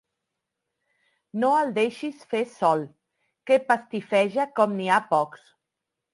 No el deixis fer sol, que pastifeja com n'hi ha pocs.